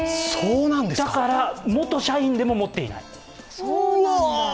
だから元社員でも持っていない。